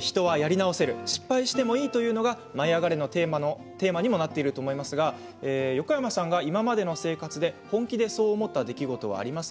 人はやり直せる失敗してもいいというのが「舞いあがれ！」のテーマにもなっていると思いますが横山さんが今までの生活で本気でそう思った出来事はありますか？